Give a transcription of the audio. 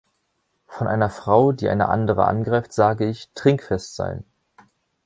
Von einer Frau, die eine andere angreift, sage ich, trinkfest sein!